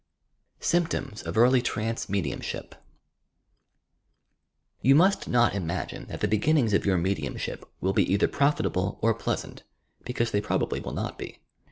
SYMPTOMS OF EARLY TEANCE MEDIUM SHIP You must not imagine that the beginnings of your mediumship will be either profitable or pleasant, because they probably will not be.